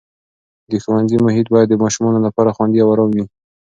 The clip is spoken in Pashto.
د ښوونځي محیط باید د ماشومانو لپاره خوندي او ارام وي.